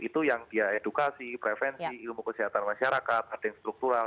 itu yang dia edukasi prevensi ilmu kesehatan masyarakat ada yang struktural